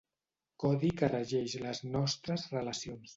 Codi que regeix les nostres relacions.